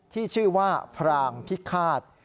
ที่ชื่อว่าพรางพิฆาต